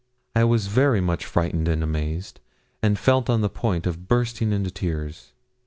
I was very much frightened and amazed, and felt on the point of bursting into tears.